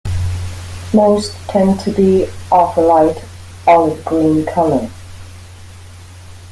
Most tend to be of a light olive-green color.